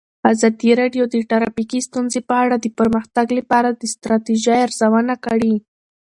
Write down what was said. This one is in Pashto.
ازادي راډیو د ټرافیکي ستونزې په اړه د پرمختګ لپاره د ستراتیژۍ ارزونه کړې.